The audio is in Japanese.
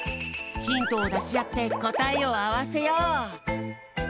ヒントをだしあってこたえをあわせよう！